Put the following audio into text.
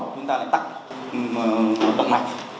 chúng ta lại tắt tận mạch